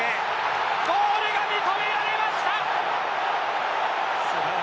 ゴールが認められました。